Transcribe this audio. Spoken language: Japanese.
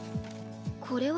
これは？